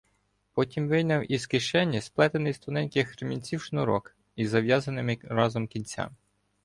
Потім вийняв із кишені сплетений з тоненьких ремінців шнурок зі зв'язаними разом кінцями.